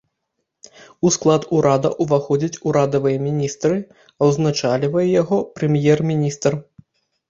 У склад урада ўваходзяць урадавыя міністры, а ўзначальвае яго прэм'ер-міністр.